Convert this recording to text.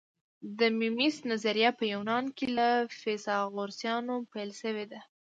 د میمیسیس نظریه په یونان کې له فیثاغورثیانو پیل شوې ده